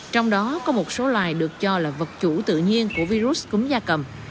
trong đó có một số loài được cho là vật chủ tự nhiên của virus cúm da cầm